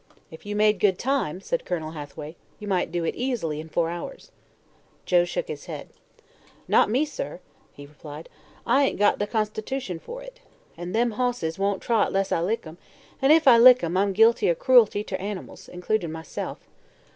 "If you made good time," said Colonel Hathaway, "you might do it easily in four hours." Joe shook his head. "Not me, sir," he replied. "I hain't got the constitution fer it. An' them hosses won't trot 'less I lick 'em, an' ef I lick 'em I'm guilty o' cru'lty ter animals includin' myself.